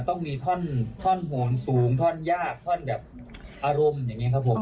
ต้องมีท่อนโหนสูงท่อนยากท่อนแบบอารมณ์อย่างนี้ครับผม